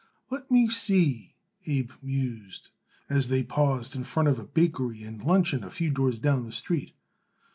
"Let me see," Abe mused, as they paused in front of a bakery and lunchroom a few doors down the street.